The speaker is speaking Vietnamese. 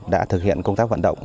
đã thực hiện công tác vận động